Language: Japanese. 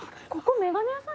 眼鏡屋さん